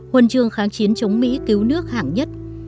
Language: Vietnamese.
huân chương kháng chiến chống mỹ cứu nước hạng nhất